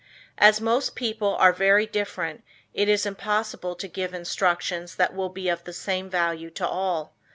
As most people are very different it is impossible to give instructions that will be of the same value to all.